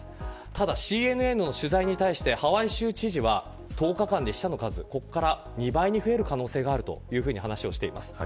ただ、ＣＮＮの取材に対してハワイ州知事は１０日間で死者の数は２倍に増える可能性があるというふうに話しています。